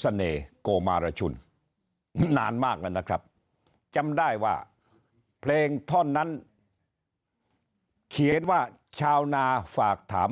เสน่ห์โกมารชุนนานมากแล้วนะครับจำได้ว่าเพลงท่อนนั้นเขียนว่าชาวนาฝากถาม